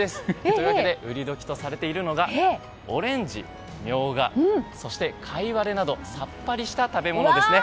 というわけで売り時とされているのがオレンジ、ミョウガカイワレなどさっぱりした食べ物ですね。